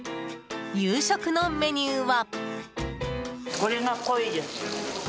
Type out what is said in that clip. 夕食のメニューは。